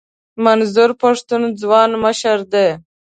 منظور پښتین ځوان مشر دی.